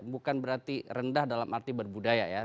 bukan berarti rendah dalam arti berbudaya ya